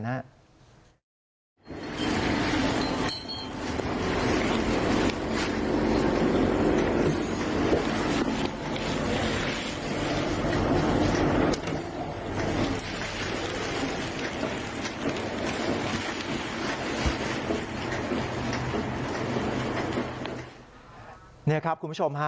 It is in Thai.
นี่ครับคุณผู้ชมฮะ